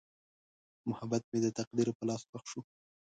محبت مې د تقدیر په لاس ښخ شو.